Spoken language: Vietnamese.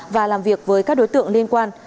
và làm việc với các đối tượng liên quan